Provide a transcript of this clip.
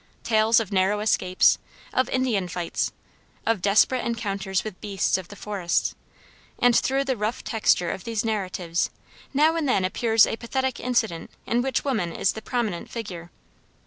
Tales of narrow escapes, of Indian fights, of desperate encounters with beasts of the forests; and through the rough texture of these narratives now and then appears a pathetic incident in which woman is the prominent figure.